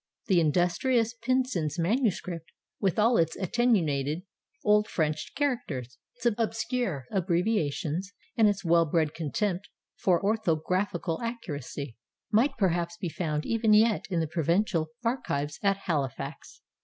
The industrious Pinson's manuscript, with all its attenuated old French characters, its obscure abbreviations, and its well bred contempt for orthographical accuracy, might perhaps be found even yet in the Provincial archives at Halifax.